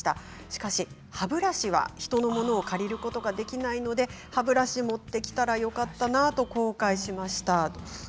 しかし歯ブラシは人のものを借りることができないので歯ブラシを持ってきたらよかったなと後悔しました。